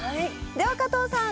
では加藤さん